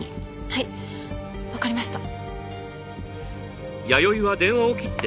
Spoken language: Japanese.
はいわかりました。